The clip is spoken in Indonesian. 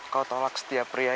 kau tolak setiap pria